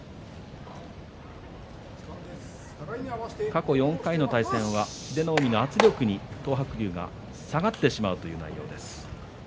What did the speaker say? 過去４回の対戦は英乃海が圧力で東白龍が下がっていく対応です。